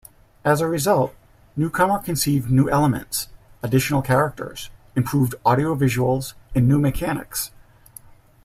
As a result, Newcomer conceived new elements: additional characters, improved audio-visuals, and new mechanics.